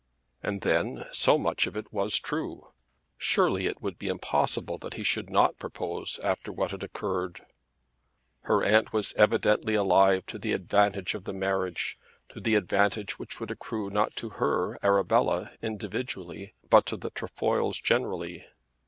And then so much of it was true. Surely it would be impossible that he should not propose after what had occurred! Her aunt was evidently alive to the advantage of the marriage, to the advantage which would accrue not to her, Arabella, individually, but to the Trefoils generally.